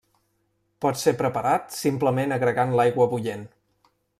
Pot ser preparat simplement agregant l'aigua bullent.